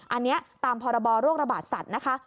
อันนี้ตามพรบโรคระบาดสัตว์นะคะ